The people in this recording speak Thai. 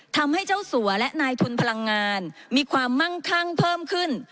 ทำให้เจ้าสัวและนายทุนพลังงานมีความมั่งคั่งเพิ่มขึ้น